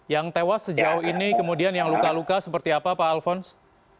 yang tewas sejauh ini kemudian yang luka luka seperti apa pak alfons